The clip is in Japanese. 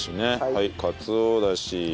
はいかつおダシ。